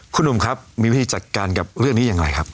คุณหนุ่มครับมีวิธีจัดการกับเรื่องนี้อย่างไรครับ